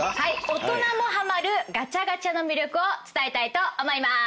大人もハマるガチャガチャの魅力を伝えたいと思いまーす。